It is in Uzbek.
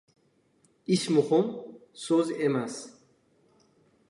Ish muhim, so‘z emas.